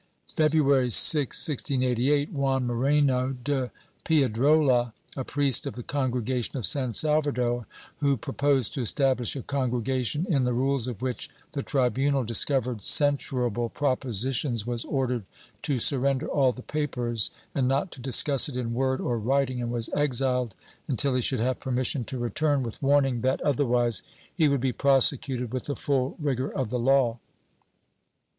February 6, 1688, Juan Moreno de Pie drola, a priest of the Congregation of San Salvador, who proposed to establish a congregation, in the rules of which the tribunal discovered censurable propositions, was ordered to surrender all the papers and not to discuss it in word or writing and was exiled until he should have permission to return, with warning that otherwise he would be prosecuted with the full rigor of the law.